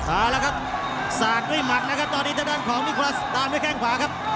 เอาละครับสากด้วยหมัดนะครับตอนนี้ทางด้านของนิคละตามด้วยแข้งขวาครับ